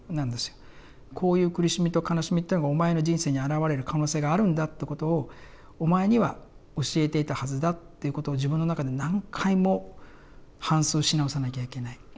こういう苦しみと悲しみってのがお前の人生に現れる可能性があるんだってことをお前には教えていたはずだっていうことを自分の中で何回も反芻し直さなきゃいけない。